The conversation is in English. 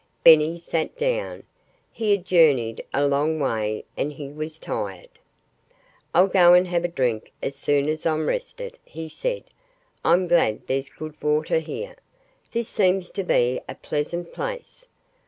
Benny sat down. He had journeyed a long way and he was tired. "I'll go and have a drink as soon as I'm rested," he said. "I'm glad there's good water here. This seems to be a pleasant place.